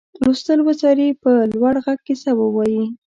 لوستل وڅاري په لوړ غږ کیسه ووايي.